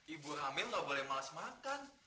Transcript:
ibu hamil gak boleh males makan